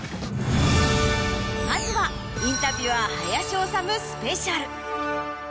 まずはインタビュアー林修スペシャル。